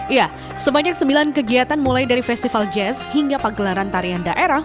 ya sebanyak sembilan kegiatan mulai dari festival jazz hingga pagelaran tarian daerah